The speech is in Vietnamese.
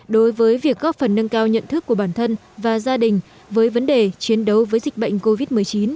đối với việc góp phần nâng cao nhận thức của bản thân và gia đình với vấn đề chiến đấu với dịch bệnh covid một mươi chín